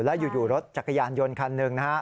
แล้วอยู่รถจักรยานยนต์คันหนึ่งนะฮะ